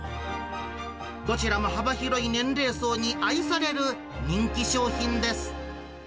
どちらも幅広い年齢層に愛される人気商品です。